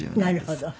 なるほど。